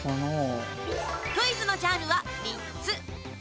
クイズのジャンルは３つ。